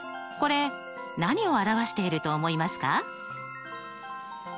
これ何を表していると思いますか？